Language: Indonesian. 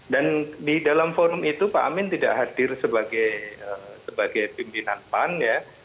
dan di dalam forum itu pak amin tidak hadir sebagai pimpinan pan ya